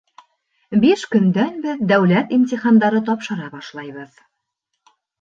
Биш көндән беҙ дәүләт имтихандары тапшыра башлайбыҙ